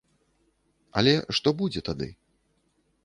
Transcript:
Але што будзе тады?